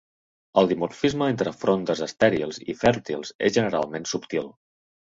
El dimorfisme entre frondes estèrils i fèrtils és generalment subtil.